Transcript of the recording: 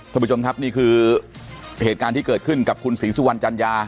ท่านผู้ชมครับนี่คือเหตุการณ์ที่เกิดขึ้นกับคุณศรีสุวรรณจัญญา